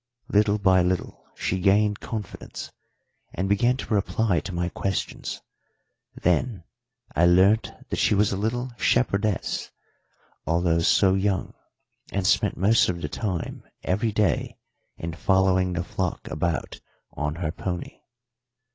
Little by little she gained confidence, and began to reply to my questions; then I learnt that she was a little shepherdess, although so young, and spent most of the time every day in following the flock about on her pony.